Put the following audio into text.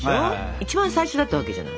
一番最初だったわけじゃない。